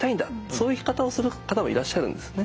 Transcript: そういう生き方をする方もいらっしゃるんですね。